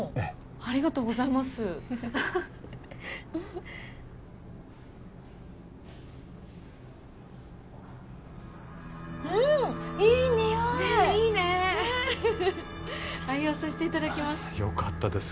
ありがとうございますうんいいにおいねっいいね愛用させていただきますよかったです